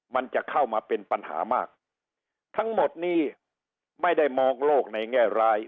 มันจะเข้ามาเป็นปัญหามากทั้งหมดนี้ไม่ได้มองโลกในแง่ร้าย